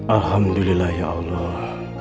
alhamdulillah ya allah